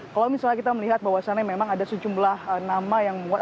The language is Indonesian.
kalau misalnya kita melihat bahwasannya memang ada sejumlah nama yang memuat